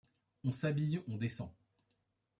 On s’habille, on descend.